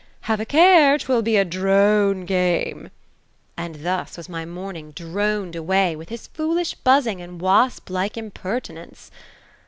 Have a care 1 'Twill be a dr^ne game !' and thus was my morning droned away, with his foolish buxzing, and wasplike impertinence."